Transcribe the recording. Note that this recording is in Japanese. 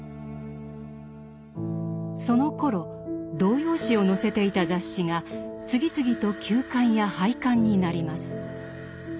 そのころ童謡詩を載せていた雑誌が次々と休刊や廃刊になります。